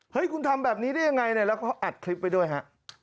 เฮ้ยคุณทำแบบนี้ได้ยังไงแล้วเขาอัดคลิปไปด้วยฮะ